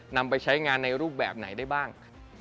นำไปใช้งานในรูปแบบไหนได้บ้าง